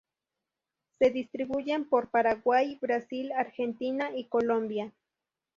Se distribuyen por Paraguay, Brasil, Argentina y Colombia.